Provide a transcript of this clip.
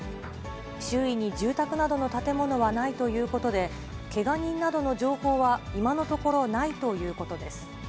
周囲に住宅などの建物はないということで、けが人などの情報は、今のところ、ないということです。